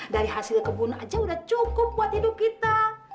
dari hasil kebun aja udah cukup buat hidup kita